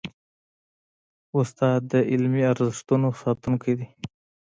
استاد د علمي ارزښتونو ساتونکی دی.